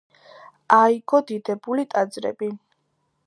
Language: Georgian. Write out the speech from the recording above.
აიგო დიდებული ტაძრები.